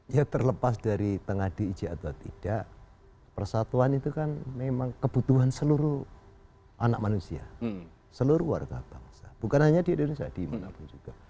ya terlepas dari tengah diuji atau tidak persatuan itu kan memang kebutuhan seluruh anak manusia seluruh warga bangsa bukan hanya di indonesia dimanapun juga